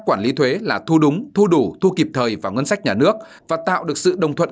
quản lý thuế là thu đúng thu đủ thu kịp thời vào ngân sách nhà nước và tạo được sự đồng thuận